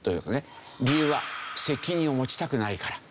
理由は責任を持ちたくないから。